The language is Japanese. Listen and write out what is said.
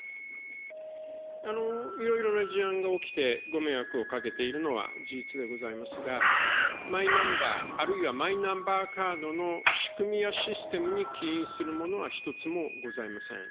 いろいろな事案が起きてご迷惑をかけているのは事実でございますが、マイナンバー、あるいはマイナンバーカードの仕組みやシステムに起因するものは一つもございません。